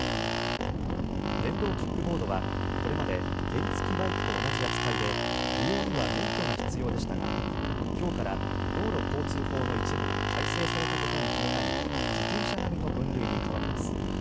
電動キックボードはこれまで原付きバイクと同じ扱いで利用には免許が必要でしたが今日から道路交通法の一部が改正されたことに伴い自転車並みの分類に変わります。